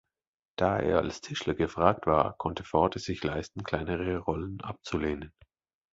Da er als Tischler gefragt war, konnte Ford es sich leisten, kleinere Rollen abzulehnen.